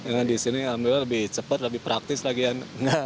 dengan di sini alhamdulillah lebih cepat lebih praktis lagian